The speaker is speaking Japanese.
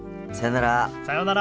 さようなら。